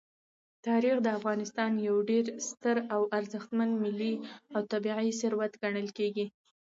تاریخ د افغانستان یو ډېر ستر او ارزښتمن ملي او طبعي ثروت ګڼل کېږي.